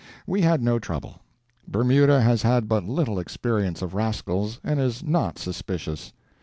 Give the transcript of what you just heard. We had no trouble. Bermuda has had but little experience of rascals, and is not suspicious.